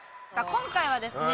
今回はですね